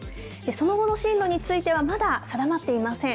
その後の進路についてはまだ定まっていません。